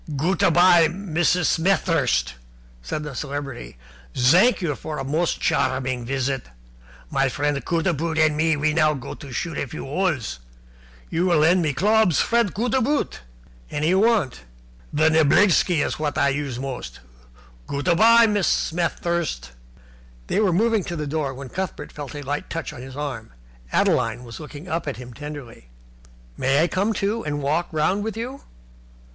"Goot a bye, Mrs. Smet thirst," said the Celebrity. "Zank you for a most charming visit. My friend Cootaboot and me we go now to shoot a few holes. You will lend me clobs, friend Cootaboot?" "Any you want." "The niblicksky is what I use most. Goot a bye, Mrs. Smet thirst." They were moving to the door, when Cuthbert felt a light touch on his arm. Adeline was looking up at him tenderly. "May I come, too, and walk round with you?"